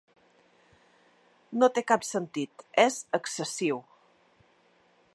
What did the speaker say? No té cap sentit, és excessiu.